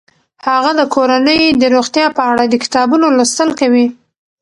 هغه د کورنۍ د روغتیا په اړه د کتابونو لوستل کوي.